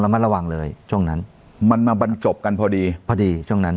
มัดระวังเลยช่วงนั้นมันมาบรรจบกันพอดีพอดีช่วงนั้น